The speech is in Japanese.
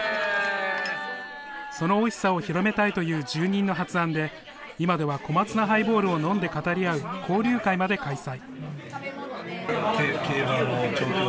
そのおいしさを広めたいという住人の発案で今では小松菜ハイボールを飲んで語り合う交流会まで開催。